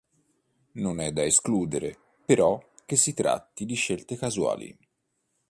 Non è da escludere, però, che si tratti di scelte casuali.